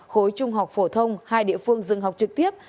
khối trung học phổ thông hai địa phương dừng học trực tiếp